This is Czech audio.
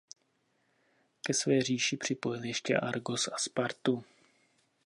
Ke své říši připojil ještě Argos a Spartu.